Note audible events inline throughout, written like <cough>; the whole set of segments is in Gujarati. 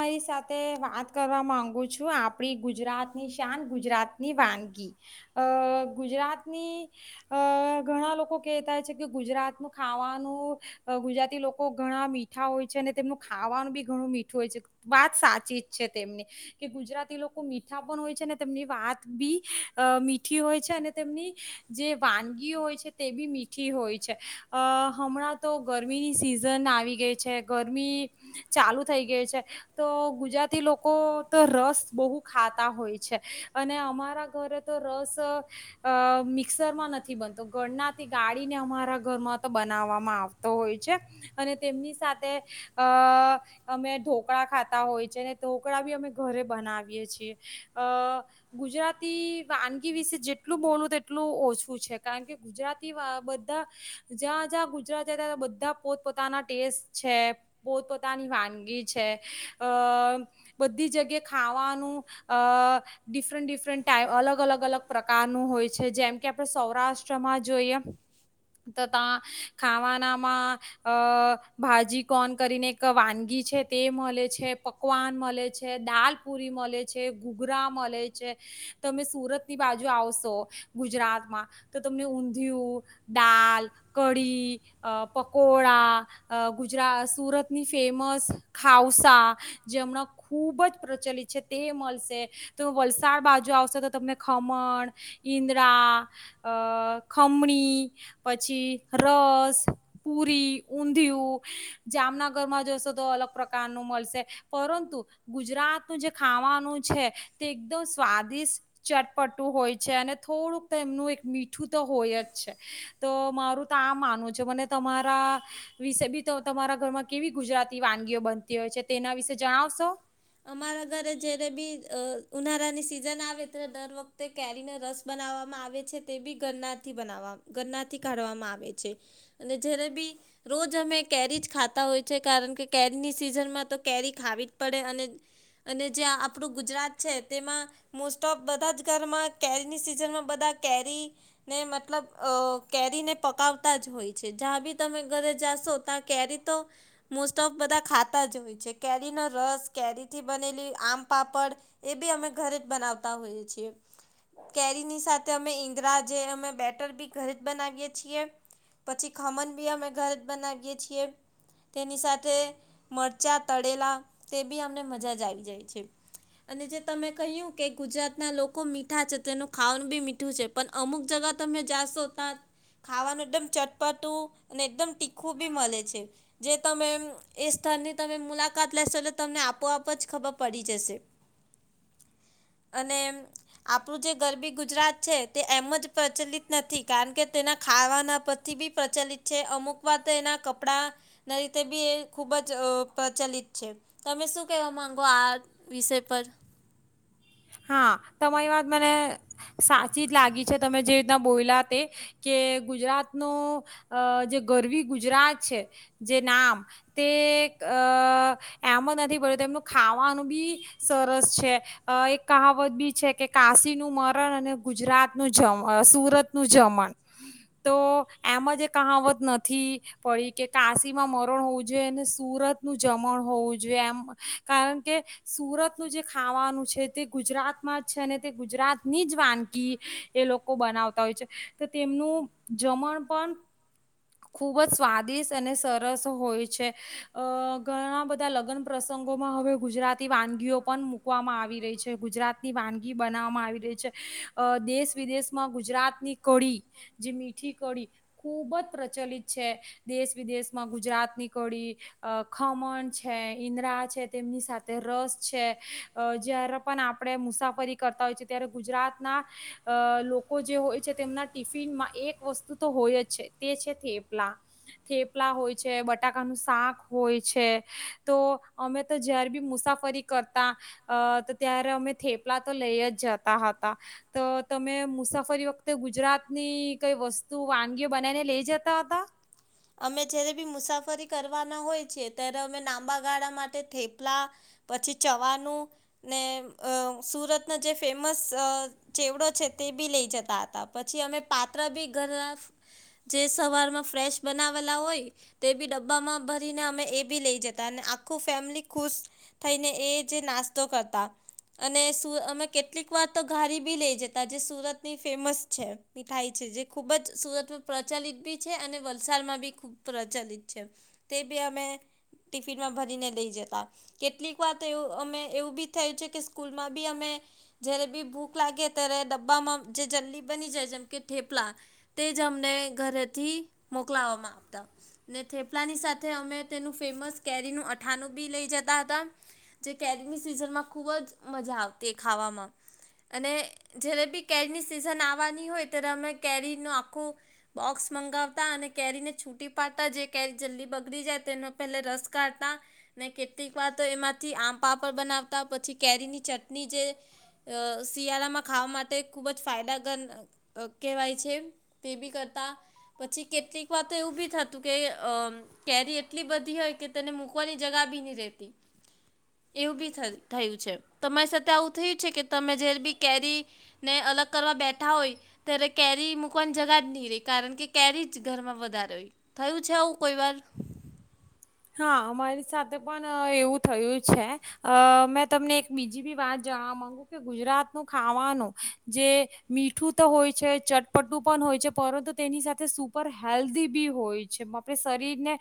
મારી સાથે વાત કરવા માંગુ છું આપડી ગુજરાત ની શાન ગુજરાતની વાનગી અ ગુજરાતની અ ઘણા લોકો કેહેતા છે કે ગુજરાતનું ખાવાનું ગુજરાતી લોકો ઘણા મીઠા હોય છે અને તેમનું ખાવાનું બી ઘણું મીઠું. વાત સાચી જ છે તેમની કે ગુજરાતી લોકો મીઠા પણ હોય છે અનેને તેમની વાત બી મીઠી હોય છે અને તેમની જે વાનગી હોય છે તે બી મીઠી હોય છે અ હમણાં તો ગરમીની સિઝન આવી ગઈ છે ગરમી ચાલુ. થય ગયે છે તો ગુજરાતી લોકો તો રસ બહુ ખાતા હોય છે અને અમારા ઘરે તો રસ મિક્સરમાં નથી બનતો ઘરનાથી ગાળીને અમારા ઘરમાં તો બનાવવામાં આવતો હોય છે અને તેમની સાથે અ. અમે ઢોકળા ખાતા હોય છે ઢોકળા બી અમે ઘરે બનાવીએ છીએ અ ગુજરાતી વાનગી વિશે જેટલું બોલું તેટલું ઓછું છે કારણ કે ગુજરાતી બધા જ્યાં જ્યાં ગુજરાત જતા બધા પોતપોતાના ટેસ્ટ છે પોતપોતાની વાનગી. છે અ બધી જગ્યાએ ખાવાનું અ ડિફરન્ટ ડિફરન્ટ ટાઈ અલગ અલગ અલગ પ્રકારનું હોય છે જેમ કે આપડ સૌરાષ્ટ્રમાં જોઈએ તો ત્યાં ખાવાનામાં અ ભાજી કોન કરીને એક વાનગી છે તે મળે છે પકવાન મળે છે દાલ પુરી મળે છે ઘૂઘરા મળે છે તમે સુરતની બાજુ આવશો ગુજરાતમાં તો તમને ઊંધિયું દાલ કઢી અ પકોડા ગુજરા સુરતની ફેમસ ખઉસા જે હમણાં ખુબ જ પ્રચલિત છે તે મળશે તો વલસાડ બાજુ આવશે તો તમને ખમણ ઈન્દરાા અ ખમણી પછી રસ પુરી ઊંધિયું જામનગરમાં જોશો તો અલગ પ્રકારનું મળશે પરંતુ ગુજરાતનું જે ખાવાનું છે તે એકદમ સ્વાદિષ્ટ ચટપટું હોય છે અને થોડુંક એનું એક મીઠું તો હોય જ છે તો મારું તો આ માનવું છે મને તમારા વિશે બી તમારા ઘરમાં કેવી ગુજરાતી વાનગી બનતી હોય છે તેના વિશે જણાવશો. અમારા ઘરે જ્યારે બી અ ઉનાળાની જેથી રોજ સિઝન આવે ત્યારે દર વખતે કેરીને રસ બનાવવામાં આવે છે તે બી ગનાથી બનાવ ગનાથી કાઢવામાં આવે છે અને જ્યારે બી રોજ અમે કેરીજ ખાતા હોય છે કારણ કે કેરીની સિઝનમાં તો કેરી ખાવી જ પડે અને. અને જે આપડું ગુજરાત છે તેમાં મોસ્ટ ઓફ બધા જ ઘરમાં કેરીની સિઝનમાં બધા કેરી ને મતલબ અ કેરીને પકાવતા જ હોય છે જ્યાં બી તમે ઘરે જાશો ત્યાં કેરી તો મોસ્ટ ઓફ બધા ખાતા જ હોય છે કેરીનો રસ કેરી. થી બનેલી આમ પાપડ એ બી અમે ઘરે જ બનાવતા હોઈએ છીએ કેરીની સાથે અમે ઇદરા જે અમે બેટર બી ઘરે જ બનાવીએ છીએ પછી ખમણ બી અમે ઘરે જ બનાવીએ છીએ તેની સાથે મરચાં તળેલા તે બી <unintelligible> મજા જ આવી જાય છે અને જે તમે કહ્યું કે ગુજરાતના લોકો મીઠા છે તેનું ખાવાનું બી મીઠું છે પણ અમુક જગ્યા તમે જાશો ત્યાં ખાવાનું એકદમ ચટપટું અને એકદમ તીખું બી મળે છે જે તમે એ સ્થળની તમે મુલાકાત લેશો એટલે તમને આપ આપોઆપ જ ખબર પડી જશે અને આપણું જે ગરબી ગુજરાત છે તે એમ જ પ્રચલિત નથી કારણ કે તેના ખાવાના પરથી બી પ્રચલિત છે અમુક વાર એના કપડાંના રીતે બી એ ખૂબ જ અ પ્રચલિત છે તમે શું કેવા માંગો આ વિષય પર. તમાય વાત મને સાચી જ લાગી છે. તમે જે રીતના બોલા તે કે ગુજરાતનું અ જે ગરવી ગુજરાત છે. જે નામ તે અ એમ જ નથી પડ્યું એનું ખાવાનું બી સરસ છે એક કહાવત બી છે કે કાશીનું મરણ અને ગુજરાતનું જમ સુરતનું જમણ તો એમ જ કહાવત નથી પડી કે કાશીમાં મરણ હોવું જોઈએ અને સુરતનું જમણ હોવું જોઈએ એમ. કારણ કે સુરતનું જે ખાવાનું છે તે ગુજરાતમાં જ છે ને ગુજરાત ની જ વાનગી એ લોકો બનાવતા હોય છે. તો તેમનું જમણ પણ ખૂબ જ સ્વાદિષ્ટ અને સરસ હોય છે. અ ઘણા બધા લગ્ન પ્રસંગોમાં હવે ગુજરાતી વાનગીઓ પણ મુૂકવામાં આવી રહી છે. ગુજરાતની વાનગી બનાવવામાં આવી રહી છે. અ દેશ વિદેશમાં ગુજરાતની કડી જે મીઠી કડી ખૂબ જ પ્રચલિત છે દેશ વિદેશમાં ગુજરાતની કડી, અ ખમણ છે ઈન્દરા છે તેમની સાથે રસ છે જય્યારે પણ આપણે મુસાફરી કરતા હોય છે ત્યારે ગુજરાતના અ લોકો જે હોય છે તેમના ટિફિનમાં એક વસ્તુ તો હોય જ છે. એ છે થેપલા થેપલા હોય છે, બટાકાનું શાક હોય છે તો અમે તો જયારે બી મુસાફરી કરતા અ ત્યારે અમે થેપલા તો લઈ જ જતા હતા. તો તમે મુસાફરી વખતે ગુજરાતની કઈ વસ્તુ વાનગી બનાવીને લઈ જતા હતા? અમે જ્યારે બી કેવી મુસાફરી કરવાના હોય છીએ ત્યારે અમે લાંબા ગાળા માટે થેપલા પછી ચવાનું ને અ સુરતના જે ફેમસ અ ચેવડો છે તે બી લઈ જતા હતા પછી અમે પાત્ર બી ઘર જે સવારમાં ફ્રેશ બનાવેલા હોય તે બી ડબ્બામાં ભરીને અમે એ બી લઈ જતા અને આખું ફેમિલી ખુશ થઈને એ જે નાસ્તો કરતા. અને સુ અમે કેટલીક વાર તો ઘારી બી લઇ જતા જે સુરતની ફેમસ છે મીઠાઈ છે જે ખુબ જ સુરત પ્રચલિત બી છે અને વ હાલ માં બી ખૂબ પ્રચલિત છે તે બી અમે ટિફીમાં ભરીને લઈ જતા કેટલીક વાર તો એવ અમે એવું બી થાય છે કે સ્કુ બી અમે જ્યારે બી ભૂખ લાગે ત્યારે ડબ્બામાં જે જલ્દી બની જાય જેમ કે ઠેપલા તે જ અમને ઘરેથી મોકલાવામાં આવતા ને થેપલાની સાથે અમે તેનું ફેમસ કેરીનું અઠાણું બી લઈ જતા હતા જે કેરીની સિઝનમાં ખૂબ જ મજા આવતી ખાવામાં અને જ્યારે બી કેરીની સિઝન આવવાની હોય ત્યારે અમે કેરીનો આખુ બોક્સ મંગાવ તા અને કેરીને છૂટી પાડતા. જે કેરી જલ્દી બગડી જાય તેનો પહલે રસ કાઢતા ને કેટલીક વાર તો એમાંથી આમ પાપડ બનાવતા પછી કે ચટની જે અ શિયાળામાં ખાવા માટે ખુબ જ ફાયદા કેહેવાય છે તે બી કરતાં. પછી કેટલીક વાર તો એવું બી થતું કે અ કેરી એટલી બધી હોય કે તેને મૂકવાની જગા બી ની રેતી. એવું બી થ થાય તમારી સાથે આવું થયું છે? કે તમે જયારે બી કેરી ને અલગ કરવા બેઠા હોય ત્યારે કેરી મૂકવાની જગા જ ની રે કારણ કે કેરી જ ઘરમાં વધારે હોય. થયું છે આવું કોઈ વાર? હા, અમારી સાથે પણ એવું થયું છે. અ મેં તમને એક બીજી બી વાત જાણવા માંગુ કે ગુજરાતનું ખાવાનું જે મીઠું તો હોય છે, ચટપટું પણ હોય છે પરંતુ તેની સાથે સુપર હેલ્ધી બી હોય છે. આપણે શરીરને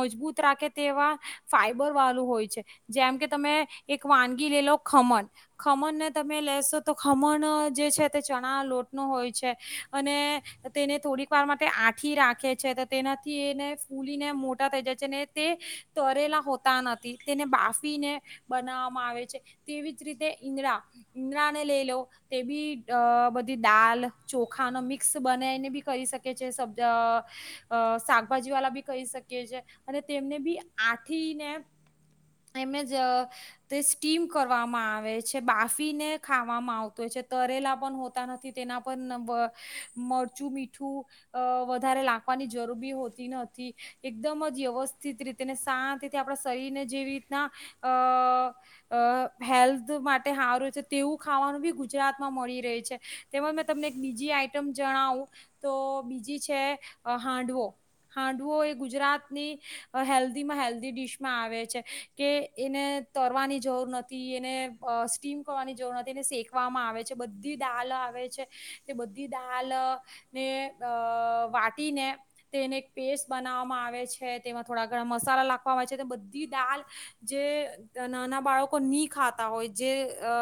મજબૂત રાખે તેવા ફાઈબર વાળું હોય છે. જેમ કે તમે એક એક વાનગી લઈ લો ખમન. ખમનને તમે લેશો તો ખમણ જે છે તે ચણા લોટનો હોય છે. અને તેને થોડીક વાર માટે આઠી રાખે છે. તેનાથી એને ફૂલીને મોટા થઈ જાય છે અને તે તરેલા હોતા નથી તેને બાફીને બના વામા આવે છે. તેવી જ રીતે ઇન્દ્ડા ઇન્દડા ને લઈ લો તે બી અ બધી દાલ, ચોખાને મિક્સ બનાવીને બી કરી શકે છે. અ અ શાકભાજી વાલા બી કરી શકીએ છે અને તેમને બી આથીને એમ જ અ તે સ્ટીમ કરવામાં આવે છે, બાફીને ખાવામાં આવતો હોય છે. તરેલા પણ હોતા નથી તેના પર ન મરચું, મીઠું અ વધારે લાખવાની જરૂર બી હોતી નથી. એકદમ જ વ્યવસ્થિત રીતેને શાંતિથી આપણા શરીરને જેવી રીતના અ અ હેલ્ધ માટે હારું છે તેવું ખાવાનું બી ગુજરાતમાં મળી રહે છે. તેમજ મેં તમને એક બીજી આઈટમ જણાવું તો બીજી છે અ હાંડવો. હાંડવો એ ગુજરાતની હેલ્ધીમાં હેલ્ધી ડીશમાં આવે છે કે એને તરવાની જરૂર નથી એને અ સ્ટીમ કરવાની જરૂર નથી એને શેકવામાં આવે છે. બધી દાલ આવે છે તે બધી દાલને અ વાટીને તેને એક પેસ્ટ બનાવવામાં આવે છે. તેમાં થોડા ઘણા મસાલા લાખવામાં આવે છે બધી દાલ જે નાના બાળકો ની ખાતા હોય જે અ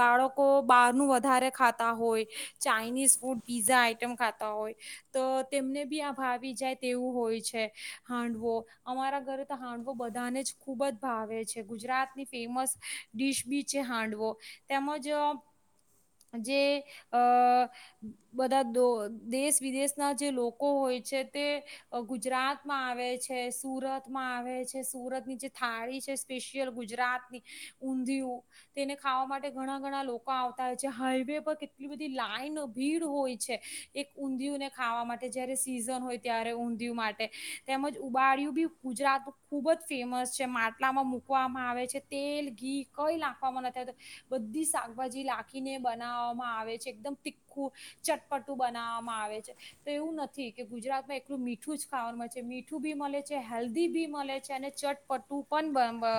બાળકો બહારનું વધારે ખાતા હોય ચાઈનીઝ ફૂડ, પીઝા આઈટમ ખાતા હોય તો તેમને બી આ ભાવી જાય તેવું હોય છે. હાંડવો અમારા ઘરે તો હાંડવો બધાને જ ખુબ જ ભાવે છે. ગુજરાત ની ફેમસ ડીશ બી છે હાંડવો. તેમજ અ જે અ બધા દેશ વિદેશના જે લોકો હોય છે તે ગુજરાતમાં આવે છે, સુરતમાં આવે છે. સુરતની જે થાળી છે સ્પેશિયલ ગુજ રાતની, ઊંધિયું તેને ખાવા માટે ઘણા ઘણા લોકા આવતા હોય છે. હાઈવે પર કેટલી બધી લાઈન ભીડ હોય છે. એક ઊંધિયું ને ખાવા માટે જયારે સીઝન હોય ત્યારે ઊંધિયું માટે તેમજ ઉબાળિયું બી ગુજરાત ખુબ જ ફેમસ છે. માટલામાં મુક મૂકવામાં આવે છે. તેલ, ઘી કઈ નાખવામાં નથી આવતુ. બધી શાકભાજી લાખીને બનાવવામાં આવે છે. એકદમ તીખું, ચટપટું બનાવવામાં આવે છે. તો એવું નથી કે ગુજરાતમાં એકલું મીઠું જ ખાવાનું મળ છે, મીઠું બી મલે છે, હેલ્ધી બી મલે છે અને ચટપટું પણ અ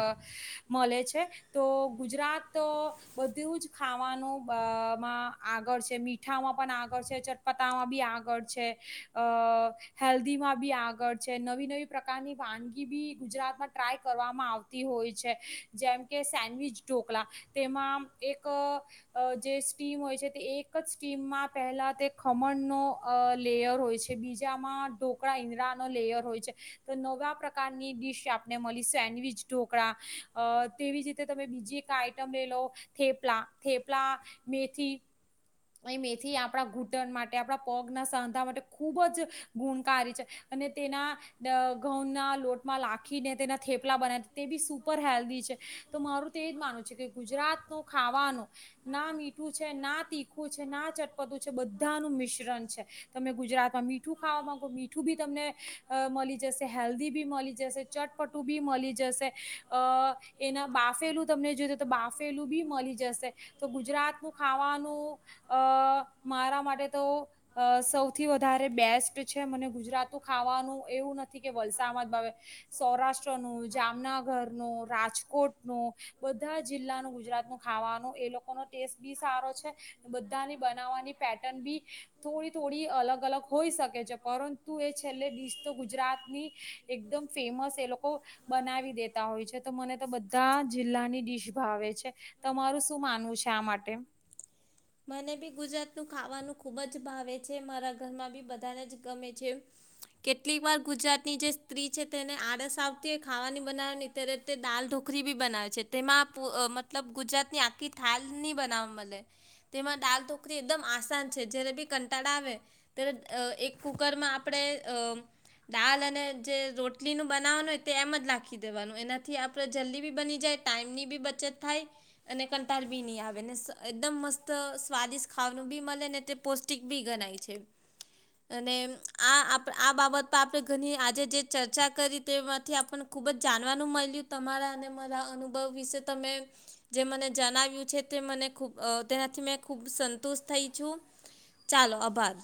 અ મલે છે તો ગુજરાત બધું જ ખાવાનું અ માં આગળ છે. મીઠામાં પણ આગળ છે, ચટપતામાં બી આગળ છે, અ હેલ્ધીમાં બી આગળ છે નવી નવી પ્રકારની વાનગી બી ગુજરાતમાં ટ્રાય કરવામાં આવતી હોય છે. જેમ કે સેન્ડવીચ ઢોકલા તેમાં એક જે અ સ્ટીમ હોય છે તે એક જ સ્ટીમમાં પહેલા તે ખમણનો અ લેયર હોય છે, બીજામાં ઢોકળા, ઈદરા નો લેયર હોય છે. તો નવા પ્રકારની ડીશ આપને મલી સેન્ડવીચ ઢોકળા. અ તેવી જ રીતે તમે બીજી એક આઈટમ લઈ લો થેપલા. થેપલા, મેથી એ મેથી આપણા ઘૂંટણ માટે આપણા પગના સાંધા માટે ખૂબ જ ગુણકારી છે. અને તેના અહ ઘઉંના લોટમાં લાખીને તેના થેપલા બનાવી તે બી સુપર હેલ્ધી છે. તો મારું તેજ માનવું છે કે ગુજરાતનું ખાવાનું ના મીઠું છે, ના તીખું ખું છે, ના ચટપટું છે બધાનું મિશ્રણ છે. તમે ગુજરાતમાં મીઠું ખાવા માંગો મીઠું બી તમને અહ મલી જશે, હેલ્ધી બી મલી જશે, ચટપટું બી મલી જશે, અહ એના બાફેલું તમને જોઈએ તો બાફેલું બી મલી જશે, તો ગુજરાતનું ખાવાનું અહ મારા માટે તો અ. સૌથી વધારે બેસ્ટ છે. મને ગુજરાતું ખાવાનું એવું નથી કે વલસામાં જ ભાવે. સૌરાષ્ટ્રનું, જામનગરનું, રાજકોટનું બધા જિલ્લાનું ગુજરાતનું ખાવાનું એ લોકોનો ટેસ્ટ બી સારો છે. બધાની બનાવવાની પેટર્ન બી થોડી-થોડી અલગ-અલગ હોઈ શકે છે. પરંતુ એ છેલ્લે ડીશ તો ગુજરાતની એકદમ ફેમસ એ લોકો બનાવી દેતા હોય છે. તો મને તો બધા જિલ્લાની ડીશ ભાવે છે. તમારું શું માનવું છે આ માટે? મને બી ગુજરાતનું ખાવાનું ખુબ જ ભાવે છે. મારા ઘરમાં બી બધાને જ ગમે છે. કેટલીક વાર ગુજરાતની જે સ્ત્રી છે તેને આળસ આવતી હોય ખાવાની બનાવાની ત્યારે તે દાલ ઢોકરી બી બનાવે છે. તેમાં પ અહ મતલબ ગુજરાતની આખી થાલ ની બનાવા મલે. તેમાં દાલ તો કરી એકદમ આસાન છે. જ્યારે બી કંટાળ આવે ત્યારે એક કુકરમાં આપણે અહ દાલ અને જે રોટલીનું બનાવવાનું હોય તે એમ જ નાખી દેવાનું એનાથી આપણે જલ્દી બી બની જાય, ટાઈમની બી બચત થાય, અને કંટાળ બી નહીં આવે ને એકદમ મસ્ત અસ સ્વાદિષ્ટ ખાવાનું બી મલે ને તે પૌષ્ટિક બી ગણાય છે. અને આ આપ આ બાબત પર આપણે ઘણી આજે જે ચર્ચા કરી તેમાંથી આપને ખૂબ જ જાણવાનું મલ્યું. તમારા અને મારા અનુભવ વિશે તમે જે મને જણાવ્યું છે તે મને ખૂબ અહ <unintelligible> ખુબ સંતોષ થઈ છું. ચાલો આભાર.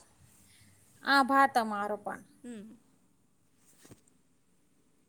આભાર તમારો પણ હમ્મ.